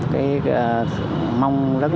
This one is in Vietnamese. cái mong rất là